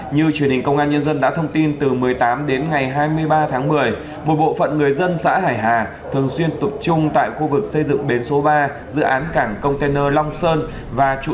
như truyền hình công an nhân dân đã thông tin từ một mươi tám đến ngày hai mươi ba tháng một mươi một bộ phận người dân xã hải hà thường xuyên tục trung tại khu vực xây dựng bến số ba dự án cảng container long sơn và trụ sở